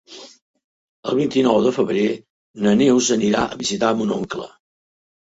El vint-i-nou de febrer na Neus anirà a visitar mon oncle.